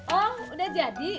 oh udah jadi